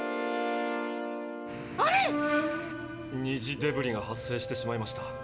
二次デブリが発生してしまいました。